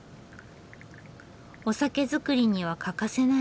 お酒造りには欠かせない酵母。